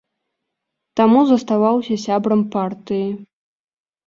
Таму заставаўся сябрам партыі.